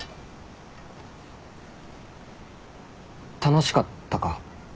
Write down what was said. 楽しかったか？